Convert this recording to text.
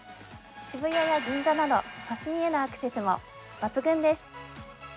渋谷や銀座など都心へのアクセスも抜群です。